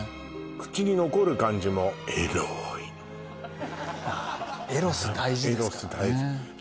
口に残る感じもエロス大事ですからね